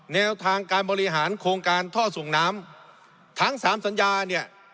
แนวทางการบริหารโครงการท่อส่งน้ำทั้งสามสัญญาเนี่ย